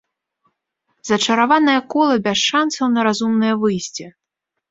Зачараванае кола без шансаў на разумнае выйсце.